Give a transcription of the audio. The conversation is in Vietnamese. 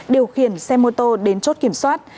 điều khiển xe mô tô đến chốt kiểm soát